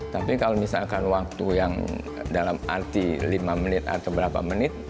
tapi kalau misalkan waktu yang dalam arti lima menit atau berapa menit